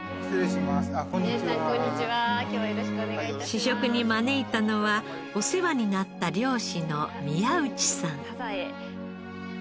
試食に招いたのはお世話になった漁師の宮内さん。